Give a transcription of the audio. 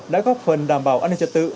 đã góp phần đảm bảo an ninh trật tự